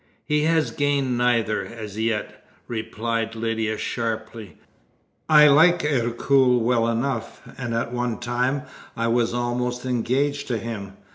"He has gained neither, as yet," replied Lydia sharply. "I like Ercole well enough, and at one time I was almost engaged to him.